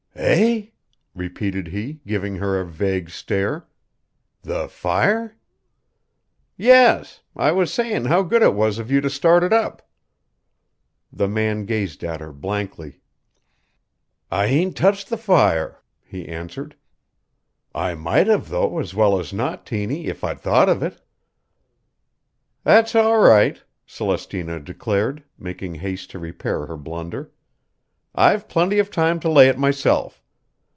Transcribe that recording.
"Eh?" repeated he, giving her a vague stare. "The fire?" "Yes. I was sayin' how good it was of you to start it up." The man gazed at her blankly. "I ain't touched the fire," he answered. "I might have, though, as well as not, Tiny, if I'd thought of it." "That's all right," Celestina declared, making haste to repair her blunder. "I've plenty of time to lay it myself.